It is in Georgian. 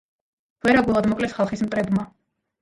ვერაგულად მოკლეს ხალხის მტრებმა.